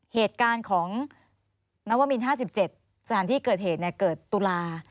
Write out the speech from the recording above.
เหตุการณ์ของนวมิน๕๗สถานที่เกิดเหตุเกิดตุลา